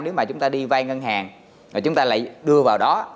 nếu mà chúng ta đi vay ngân hàng chúng ta lại đưa vào đó